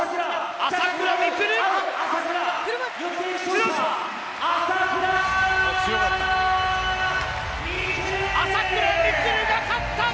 朝倉未来が勝った！